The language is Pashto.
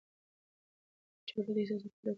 جګړه د احساساتي پرېکړو پایله ده.